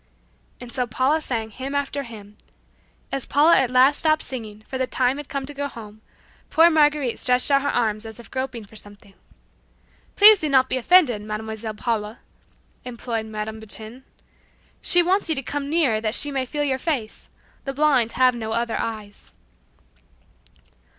And so Paula sang hymn after hymn. As Paula at last stopped singing, for the time had come to go home, poor Marguerite stretched out her arms as if groping for something. "Please do not be offended, Mademoiselle Paula," implored Madame Bertin; "she wants you to come nearer that she may feel your face. The blind have no other eyes."